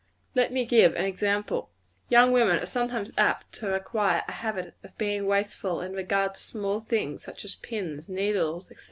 Let me give an example. Young women are sometimes apt to acquire a habit of being wasteful in regard to small things, such as pins, needles, &c.